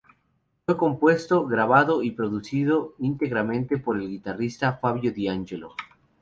Fue compuesto, grabado y producido íntegramente por el guitarrista Fabio Di Angelo.